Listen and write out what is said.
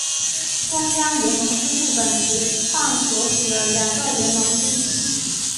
中央联盟是日本职棒所属的两个联盟之一。